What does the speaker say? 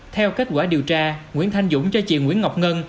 theo kết quả điều tra nguyễn thanh dũng cho chị nguyễn ngọc ngân